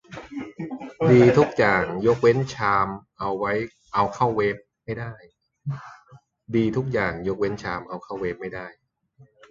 ดีทุกอย่าง ยกเว้นชามเอาเข้าเวฟไม่ได้